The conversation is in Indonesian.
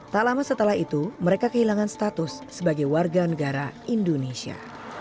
tak lama setelah itu mereka kehilangan status sebagai warga negara indonesia